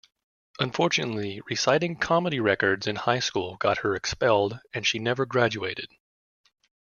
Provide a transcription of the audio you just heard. Unfortunately, reciting comedy records in high school got her expelled and she never graduated.